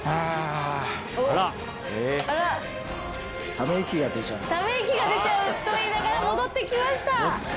ため息が出ちゃうと言いながら戻って来ました！